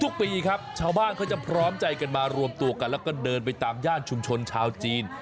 ทุกปีครับชาวบ้านเขาจะพร้อมใจกันมารวมตัวกันแล้วก็เดินไปตามย่านชุมชนชาวจีน